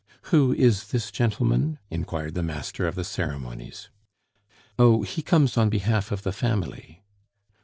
"Who is this gentleman?" inquired the master of the ceremonies. "Oh! he comes on behalf of the family."